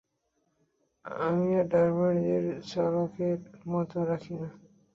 আমি আমার ড্রাইভারদের চাকরের মতো রাখি না।